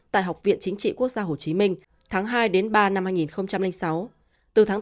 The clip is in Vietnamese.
tại học viện chính trị quốc gia hồ chí minh tháng hai ba hai nghìn sáu